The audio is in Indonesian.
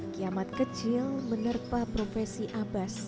kiamat kecil menerpa profesi abas